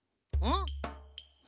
ん？